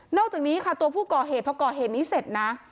อกจากนี้ค่ะตัวผู้ก่อเหตุพอก่อเหตุนี้เสร็จนะ